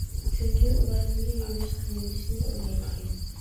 چۈنكى ئۇلار بىر يۈرۈش قىلىۋېلىشنى ئويلايدىكەن.